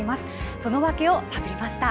その訳を探りました。